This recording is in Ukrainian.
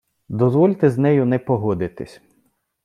Дозвольте з нею не погодитись.